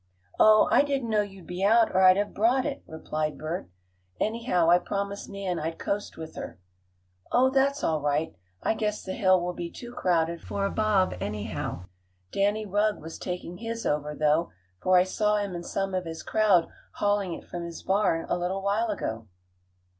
"Oh, I didn't know you'd be out, or I'd have brought it," replied Bert. "Anyhow, I promised Nan I'd coast with her." "Oh, that's all right. I guess the hill will be too crowded for a bob, anyhow. Danny Rugg was taking his over, though, for I saw him and some of his crowd hauling it from his barn a little while ago."